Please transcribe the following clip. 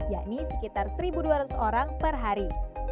yakni sekitar satu dua ratus orang per hari